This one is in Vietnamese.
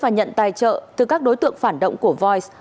và nhận tài trợ từ các đối tượng phản động của voice